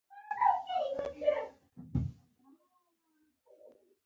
قلم زده کړه اسانه کوي.